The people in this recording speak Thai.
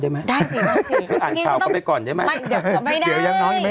ได้ไหมได้สิอ่านข่าวกันไปก่อนได้ไหมไม่ไม่ได้เดี๋ยวยังน้องยังไม่